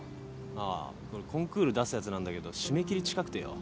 ああこれコンクール出すやつなんだけど締め切り近くてよ。